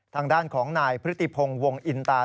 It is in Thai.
ทางด้านของนายพฤติพงศ์วงอินตา